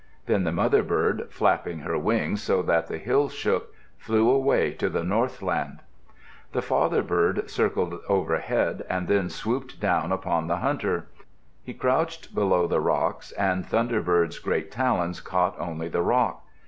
Then the mother bird, flapping her wings so that the hills shook, flew away to the northland. The father bird circled overhead and then swooped down upon the hunter. He crouched below the rocks and the thunderbird's great talons caught only the rock.